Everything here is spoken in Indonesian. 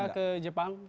kita pernah ke jepang